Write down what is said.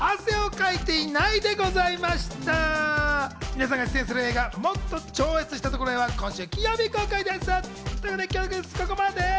皆さんが出演する映画『もっと超越した所へ。』は、今週金曜日公開です。